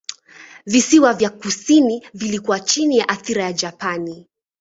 Visiwa vya kusini vilikuwa chini ya athira ya Japani.